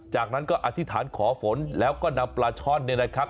จากนั้นก็อธิษฐานขอฝนแล้วก็นำปลาช่อนเนี่ยนะครับ